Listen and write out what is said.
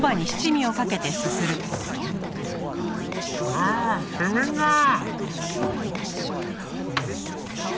ああ染みるなあ！